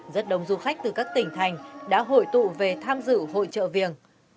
rất đông du khách từ các tỉnh thành đã hội tụ về tham dự hội trợ viềng